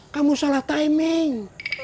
kamu salah timing